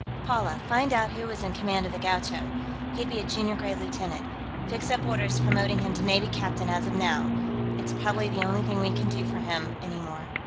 "Paula, find out who was in command of the Gaucho; he'd be a junior grade lieutenant. Fix up orders promoting him to navy captain, as of now. It's probably the only thing we can do for him, anymore.